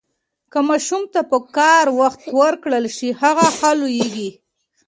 که ماشوم ته پکار وخت ورکړل شي، هغه ښه لوییږي.